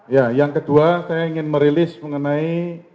ya yang kedua saya ingin merilis mengenai